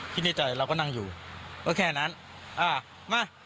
พี่หลังอย่างไรมั้ย